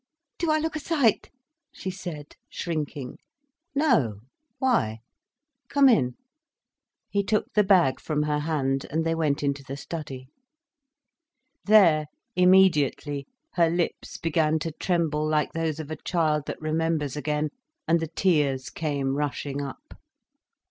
"Do I look a sight?" she said, shrinking. "No—why? Come in," he took the bag from her hand and they went into the study. There—immediately, her lips began to tremble like those of a child that remembers again, and the tears came rushing up.